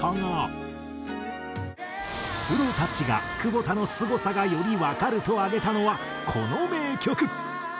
プロたちが久保田のすごさがよりわかると挙げたのはこの名曲。